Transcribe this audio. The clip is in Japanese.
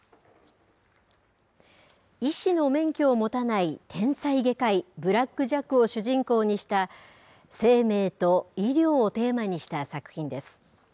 医師の免許を持たない天才外科医、ブラック・ジャックを主人公にした、生命と医療をテーマにした作品です。